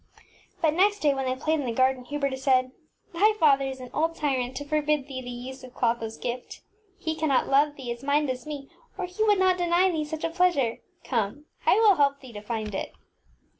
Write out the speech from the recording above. But next day, when they played in the garden, Huberta said, ŌĆśThy father is an old tyrant to forbid thee the use of ClothoŌĆÖs gift. He cannot love thee as mine does me, or he would not deny thee such a pleasure. Come! I will help thee to find it.